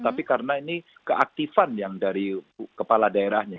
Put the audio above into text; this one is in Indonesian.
tapi karena ini keaktifan yang dari kepala daerahnya